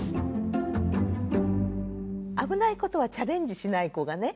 危ないことはチャレンジしない子がね